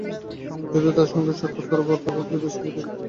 যদিও তাঁদের সঙ্গে সাক্ষাৎ করার কথা ভাবলে আমি বেশ শঙ্কিত বোধ করি।